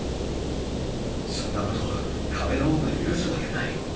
そんなことを壁の王が許すわけない。